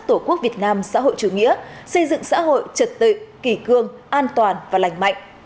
tổ quốc việt nam xã hội chủ nghĩa xây dựng xã hội trật tự kỳ cương an toàn và lành mạnh